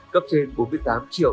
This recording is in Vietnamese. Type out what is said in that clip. cấp trên bốn mươi tám triệu